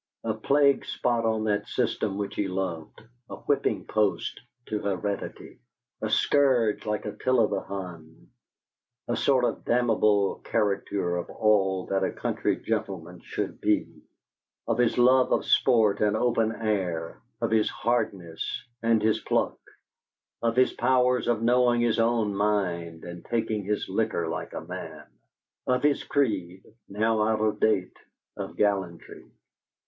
A plague spot on that system which he loved, a whipping post to heredity, a scourge like Attila the Hun; a sort of damnable caricature of all that a country gentleman should be of his love of sport and open air, of his "hardness" and his pluck; of his powers of knowing his own mind, and taking his liquor like a man; of his creed, now out of date, of gallantry.